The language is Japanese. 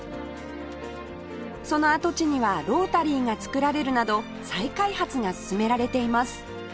その跡地にはロータリーが造られるなど再開発が進められています